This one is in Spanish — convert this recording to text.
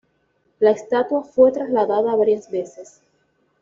La estatua fue trasladada varias veces.